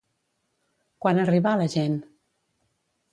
Quan arribà la gent?